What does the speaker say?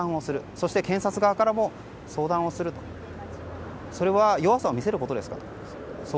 そして、検察側からも相談をする、それは弱さを見せることですか？